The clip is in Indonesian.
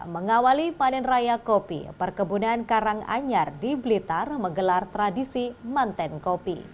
mengawali panen raya kopi perkebunan karanganyar di blitar menggelar tradisi mantan kopi